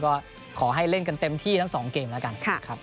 ก็ขอให้เล่นกันเต็มที่ทั้งสองเกมแล้วกัน